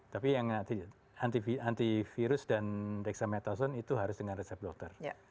tapi yang antivirus dan dexamethasone itu harus dengan resep dokter